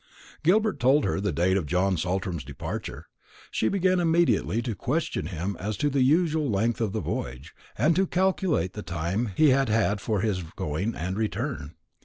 Gilbert told her the date of John Saltram's departure. She began immediately to question him as to the usual length of the voyage, and to calculate the time he had had for his going and return.